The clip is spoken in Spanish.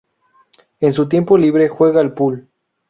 En su tiempo libre juega al pool.